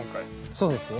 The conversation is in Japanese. そうですよ。